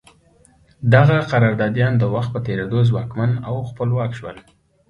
دغه قراردادیان د وخت په تېرېدو ځواکمن او خپلواک شول.